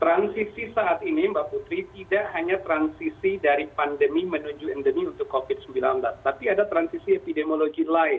transisi saat ini mbak putri tidak hanya transisi dari pandemi menuju endemi untuk covid sembilan belas tapi ada transisi epidemiologi lain